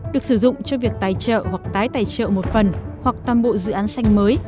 được sử dụng cho việc tài trợ hoặc tái tài trợ một phần hoặc toàn bộ dự án xanh mới